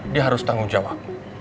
dia harus tanggung jawab